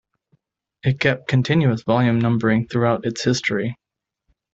It kept continuous volume numbering throughout its history.